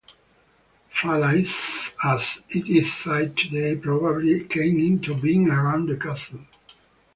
Falaise as it is sited today, probably came into being around the castle.